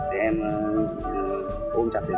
khi mà góp được một phần công sức